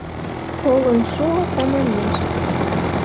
Толын шуо тыманмеш